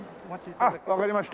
あっわかりました。